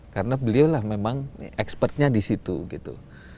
karena beliau lah memang expertnya di situ gitu